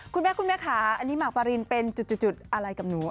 คุณแม่คุณแม่ค่ะอันนี้หมากปารินเป็นจุดอะไรกับหนู